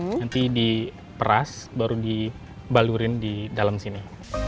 nanti diperas baru dibalurin di dalam sini